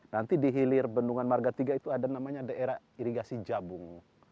nanti dihilir bendungan marga iii itu ada namanya daerah irigasi jabung